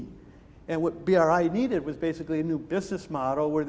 dan apa yang diperlukan dari bri adalah